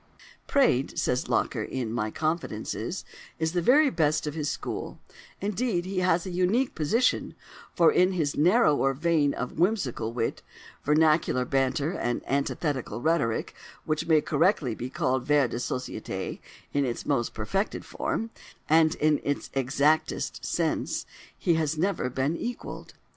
"Praed," says Locker in "My Confidences," "is the very best of his school: indeed, he has a unique position; for in his narrower vein of whimsical wit, vernacular banter, and antithetical rhetoric, which may correctly be called vers de société in its most perfected form, and its exactest sense, he has never been equalled."